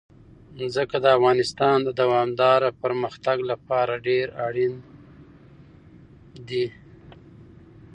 ځمکه د افغانستان د دوامداره پرمختګ لپاره ډېر اړین دي.